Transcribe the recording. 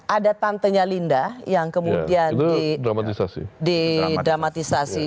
ada tantenya linda yang kemudian didramatisasi